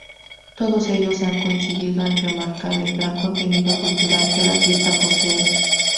Todos ellos han coincidido en remarcar el gran contenido cultural que la fiesta posee.